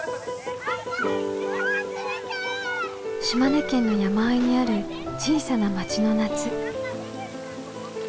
島根県の山あいにある小さな町の夏。